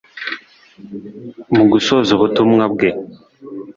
Mu gusoza ubutumwa bwe